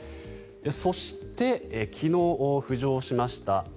そして、昨日浮上しました